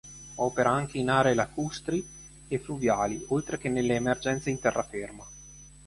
Opera anche in aree lacustri e fluviali oltre che nelle emergenze in terraferma.